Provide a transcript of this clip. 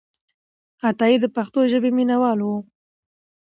عطایي د پښتو ژبې مینهوال و.